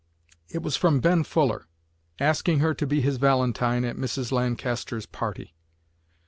It was from Ben Fuller, asking her to be his valentine at Mrs. Lancaster's party.